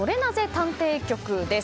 探偵局です。